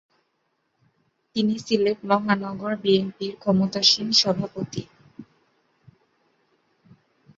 তিনি সিলেট মহানগর বিএনপির ক্ষমতাসীন সভাপতি।